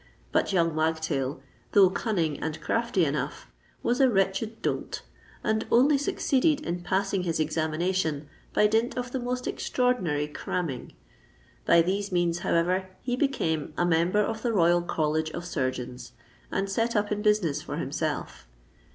But young Wagtail, though cunning and crafty enough, was a wretched dolt, and only succeeded in passing his examination by dint of the most extraordinary cramming. By these means, however, he became a Member of the Royal College of Surgeons, and set up in business for himself.